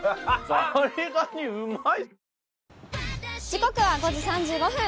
時刻は５時３５分。